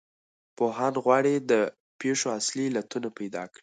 پوهان غواړي د پېښو اصلي علتونه پیدا کړو.